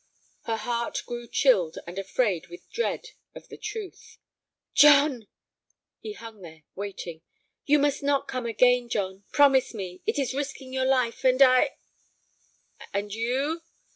Her heart grew chilled and afraid with dread of the truth. "John!" He hung there, waiting. "You must not come again, John. Promise me; it is risking your life, and I—" "And you?"